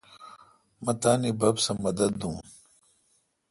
مہ تانی بب سہ مدد دون۔